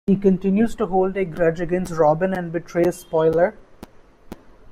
He continues to hold a grudge against Robin and betrays Spoiler.